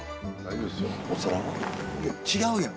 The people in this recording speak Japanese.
違うやん！